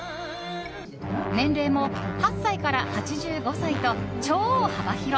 年齢も８歳から８５歳と超幅広！